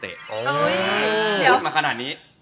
อ๋อเดี๋ยวก็พูดมาขนาดนี้